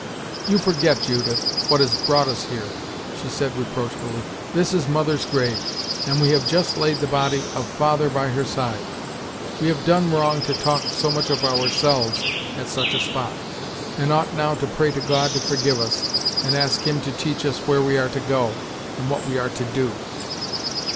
"You forget, Judith, what has brought us here," she said reproachfully. "This is mother's grave, and we have just laid the body of father by her side. We have done wrong to talk so much of ourselves at such a spot, and ought now to pray God to forgive us, and ask him to teach us where we are to go, and what we are to do."